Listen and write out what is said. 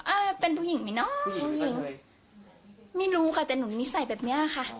เป็นผู้หญิงไหมเนาะผู้หญิงไม่รู้ค่ะแต่หนูนิสัยแบบเนี้ยค่ะ